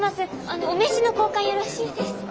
あのお名刺の交換よろしいですか。